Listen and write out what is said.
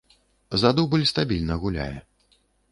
За дубль стабільна гуляе.